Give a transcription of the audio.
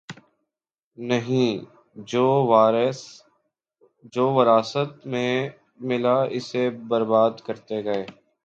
نہیں‘ جو وراثت میں ملا اسے بربادکرتے گئے۔